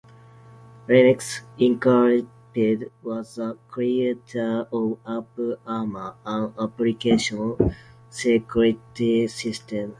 Immunix, Incorporated was the creator of AppArmor, an application security system.